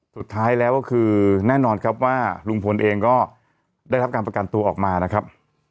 สุดท้ายแล้วก็คือแน่นอนครับว่าลุงพลเองก็ได้รับการประกันตัวออกมานะครับ